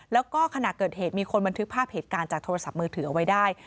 แล้วก็ขณะเกิดเหตุมีคนบันทึกภาพเหตุการณ์จากโทรศัพท์มือถือเอาไว้ได้